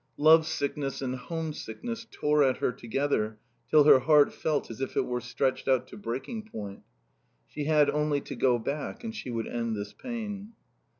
Love sickness and home sickness tore at her together till her heart felt as if it were stretched out to breaking point. She had only to go back and she would end this pain.